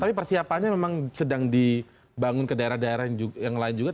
tapi persiapannya memang sedang dibangun ke daerah daerah yang lain juga